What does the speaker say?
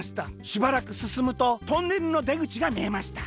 しばらくすすむとトンネルのでぐちがみえました。